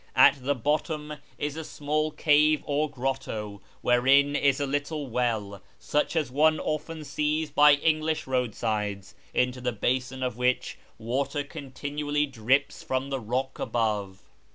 At tlie bottom is a small cave or grotto, wherein is a little well, such as one often sees by English roadsides, into the basin of which water continually drips from the rock above.